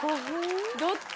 どっち？